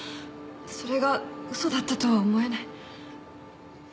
それが嘘だったとは思えない。